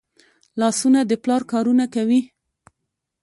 لاسونه د پلار کارونه کوي